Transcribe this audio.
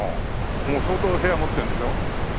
もう相当部屋持ってるんでしょ？